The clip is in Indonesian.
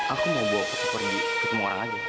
aku mau bawa papa pergi ketemu orang aja